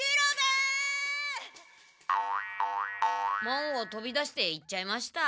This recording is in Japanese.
門をとび出して行っちゃいました。